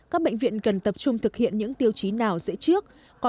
các bệnh viện cần tập trung thực hiện những tiêu chí nào dễ trước